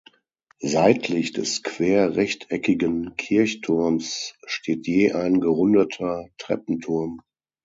Seitlich des querrechteckigen Kirchturms steht je ein gerundeter Treppenturm.